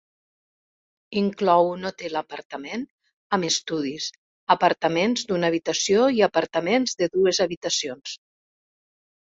Inclou un hotel apartament amb estudis, apartaments d"una habitació i apartaments de dues habitacions.